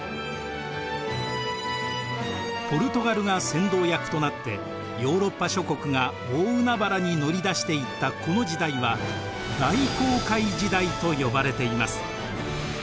ポルトガルが先導役となってヨーロッパ諸国が大海原に乗り出していったこの時代は大航海時代と呼ばれています。